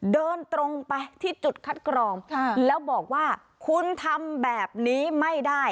เดินตรงไปที่จุดคัดกรองแล้วบอกว่าคุณทำแบบนี้ไม่ได้